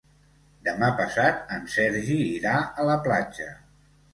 Demà passat en Sergi irà a la platja.